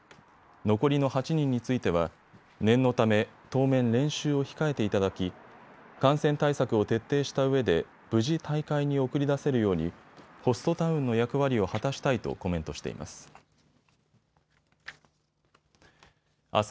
残りの８人については念のため当面、練習を控えていただき感染対策を徹底したうえで無事大会に送り出せるようにホストタウンの役割を果たしたいとコメントしています。